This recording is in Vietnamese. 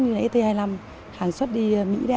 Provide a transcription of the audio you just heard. như là et hai mươi năm hàng suất đi mỹ